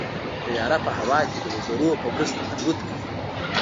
طیاره په هوا کې د وزرونو په مرسته الوت کوي.